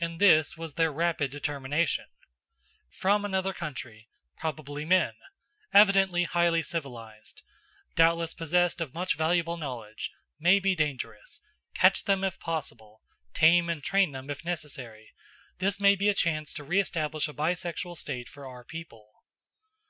And this was their rapid determination: "From another country. Probably men. Evidently highly civilized. Doubtless possessed of much valuable knowledge. May be dangerous. Catch them if possible; tame and train them if necessary This may be a chance to re establish a bi sexual state for our people."